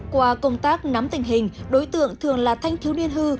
qua công tác nắm tình hình đối tượng thường là thanh thiếu niên hư